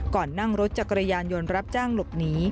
ก่อนนั่งรถจักรยานยนต์รับจ้างหลบหนี